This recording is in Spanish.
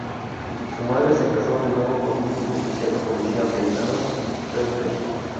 Su madre se casó de nuevo con un oficial de policía apellidado Reuter.